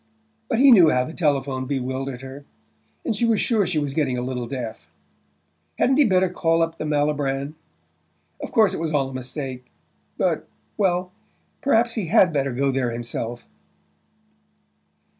but he knew how the telephone bewildered her...and she was sure she was getting a little deaf. Hadn't he better call up the Malibran? Of course it was all a mistake but... well, perhaps he HAD better go there himself...